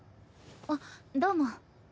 あっどうも。